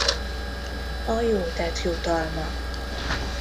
A jó tett jutalma.